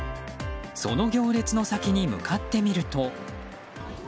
その行列の先に向かってみると。